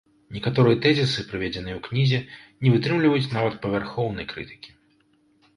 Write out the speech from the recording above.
Некаторыя тэзісы, прыведзеныя ў кнізе, не вытрымліваюць нават павярхоўнай крытыкі.